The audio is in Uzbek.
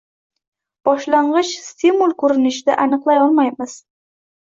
boshlang‘ich stimul ko‘rinishida aniqlay olmaymiz.